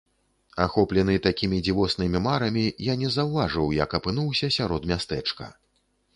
Ахоплены такімі дзівоснымі марамі, я не заўважыў, як апынуўся сярод мястэчка.